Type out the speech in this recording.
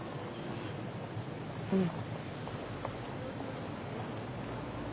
うん。